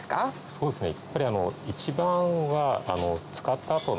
そうですねやっぱり一番は。